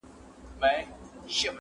څوک چي د مار بچی په غېږ کي ګرځوینه-